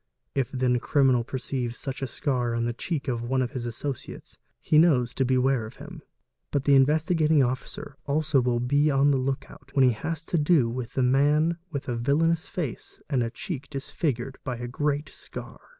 If then a criminal perceives such a scar on the cheek of one of his associates, he knows to beware of him. But the Investigating Officer also will be on the look out when he has to do with a man with a villainous face and R cheek disfigured by a great scar.